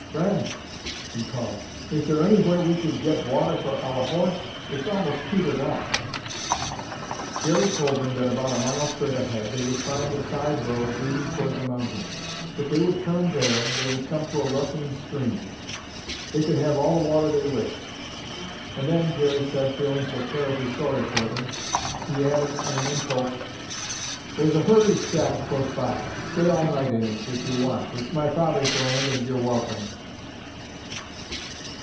'Friend,' he called, 'is there anywhere we could get water for our horse? It's most petered out.' "Jerry told them that about a mile, straight ahead, they would find a side road leading toward the mountains. If they would turn there, they would come to a rushing stream. They could have all the water they wished. And then, Jerry said, feeling so terribly sorry for them, he added on an impulse, 'There's a herder's shack close by. Stay all night in it if you want. It's my father's land and you're welcome.